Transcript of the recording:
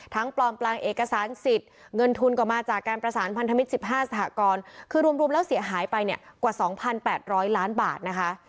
ปลอมแปลงเอกสารสิทธิ์เงินทุนก็มาจากการประสานพันธมิตร๑๕สหกรณ์คือรวมแล้วเสียหายไปเนี่ยกว่า๒๘๐๐ล้านบาทนะคะ